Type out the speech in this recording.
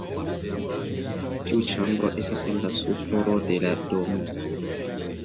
Kiu ĉambro estis en la supro de la domo?